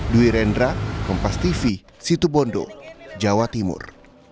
duirendra kompas tv situbondo jawa timur